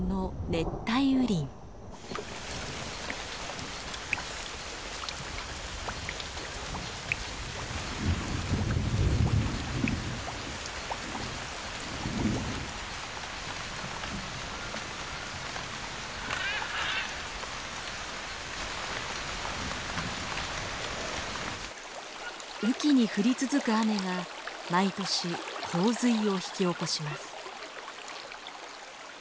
雨季に降り続く雨が毎年洪水を引き起こします。